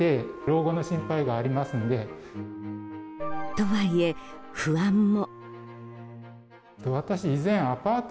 とはいえ、不安も。